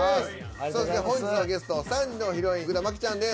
そして本日のゲストは３時のヒロイン福田麻貴ちゃんです。